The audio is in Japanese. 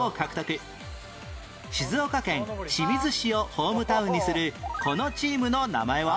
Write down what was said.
静岡県清水市をホームタウンにするこのチームの名前は？